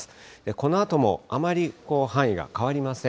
このあともあまり範囲が変わりません。